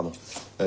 ええ。